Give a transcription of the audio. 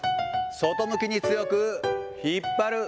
外向きに強く引っ張る。